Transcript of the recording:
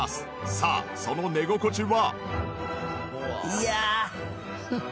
さあその寝心地は。